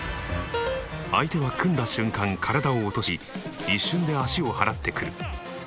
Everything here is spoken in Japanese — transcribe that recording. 相手は組んだ瞬間体を落とし一瞬で足を払ってくる。